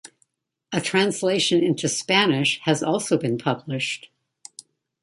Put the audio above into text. A translation into Spanish has also been published.